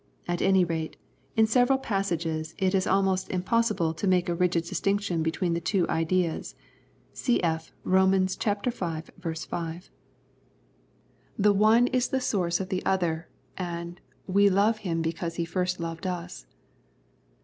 At any rate, in several passages it is almost impossible to make a 44 Love and Peace rigid distinction between the two ideas (cf. Rom. V. 5). The one is the source of the other, and " we love Him because He first loved us."